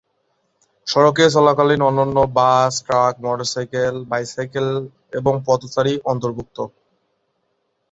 সড়কে চলাচলকারী অন্যান্য বাস, ট্রাক, মোটরসাইকেল, বাইসাইকেল এবং পথচারী অন্তর্ভুক্ত।